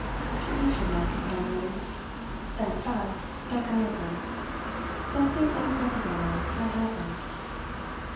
To each of my companions and the fact stuck out of them something unprecedented had happened.